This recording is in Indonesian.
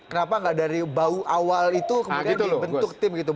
kenapa nggak dari bau awal itu kemudian dibentuk tim gitu